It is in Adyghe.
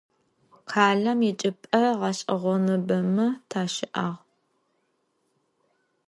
Khalem yiçç'ıp'e ğeş'eğonıbeme taşı'ağ.